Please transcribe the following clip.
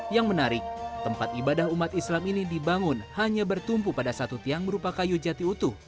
yang menarik tempat ibadah umat islam ini dibangun hanya bertumpu pada satu tiang berupa kayu jati utuh